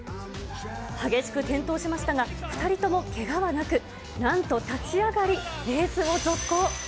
激しく転倒しましたが、２人ともけがはなく、なんと立ち上がり、レースを続行。